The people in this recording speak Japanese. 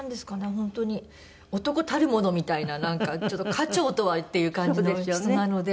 本当に男たるものみたいななんかちょっと家長とはっていう感じの人なので。